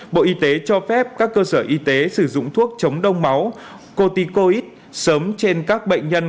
bộ y tế cho phép các cơ sở y tế sử dụng thuốc chống đông máu corticoid sớm trên các bệnh nhân